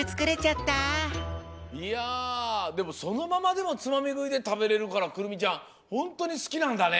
いやでもそのままでもつまみぐいでたべれるからくるみちゃんホントにすきなんだね！